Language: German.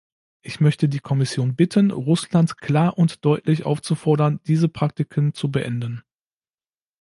Ich möchte die Kommission bitten, Russland klar und deutlich aufzufordern, diese Praktiken zu beenden.